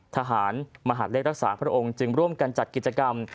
ทหารมหาเลขรักษาพระองค์จึงร่วมกันจัดกิจกรรม